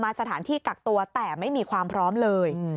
สถานที่กักตัวแต่ไม่มีความพร้อมเลย